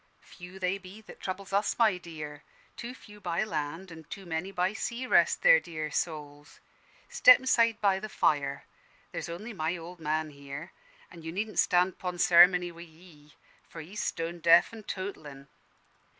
"Few they be that troubles us, my dear. Too few by land, an' too many by sea, rest their dear souls! Step inside by the fire. There's only my old man here, an' you needn't stand 'pon ceremony wi' he: for he's stone deaf an' totelin'.